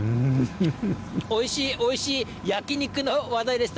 おいしい、おいしい、焼き肉の話題でした。